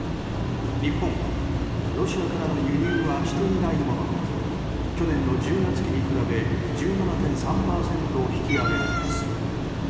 日本はロシアからの輸入はしていないものの去年の１０月期に比べ１７．３％引き上げられます。